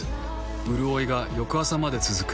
うるおいが翌朝まで続く。